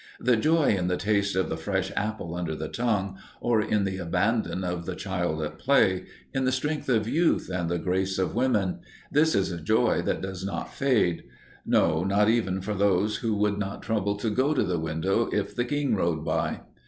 The joy in the taste of the fresh apple under the tongue, or in the abandon of the child at play, in the strength of youth and the grace of women, this is a joy that does not fade; no, not even for those who would not trouble to go to the window if the king rode by!